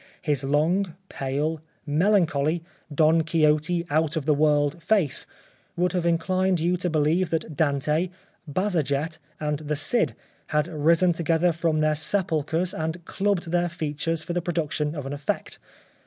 His long pale, melancholy, Don Quixote, out of the world face would have inclined you to believe that Dante, Bajazet, and the Cid had risen together from their sepulchres and clubbed their features for the production of an effect.